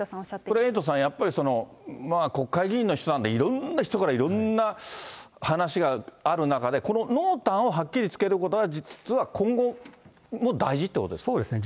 これ、エイトさん、やっぱり国会議員の人なんで、いろんな人からいろんな話がある中で、この濃淡をはっきりつけることは、そうですね。